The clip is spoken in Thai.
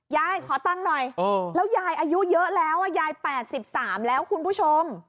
ยายขอตังค์หน่อยแล้วยายอายุเยอะแล้วยาย๘๓แล้วคุณผู้ชม